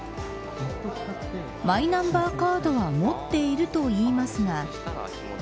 マイナンバーカードは持っているといいますが。